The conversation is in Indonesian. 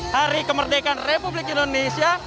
hari kemerdekaan republik indonesia